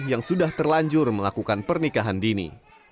yang sudah terlanjur melakukan pernikahan dini